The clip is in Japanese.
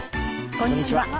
こんにちは。